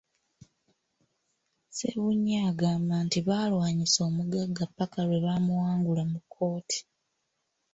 Ssebunya agamba nti baalwanyisa omugagga ppaka lwe baamuwangula mu kkooti.